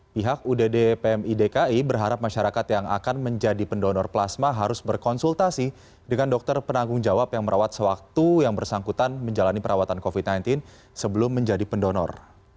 pihak udd pmi dki berharap masyarakat yang akan menjadi pendonor plasma harus berkonsultasi dengan dokter penanggung jawab yang merawat sewaktu yang bersangkutan menjalani perawatan covid sembilan belas sebelum menjadi pendonor